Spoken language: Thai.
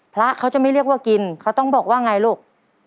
พระเขาจะไม่เรียกว่ากินเขาต้องบอกว่าไงลูก